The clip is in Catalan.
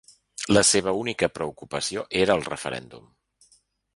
La seva única preocupació era el referèndum.